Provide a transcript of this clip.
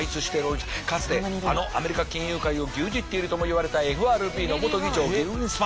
かつてあのアメリカ金融界を牛耳っているともいわれたＦＲＢの元議長グリーンスパン。